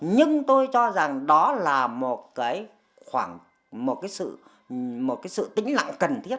nhưng tôi cho rằng đó là một sự tĩnh lặng cần thiết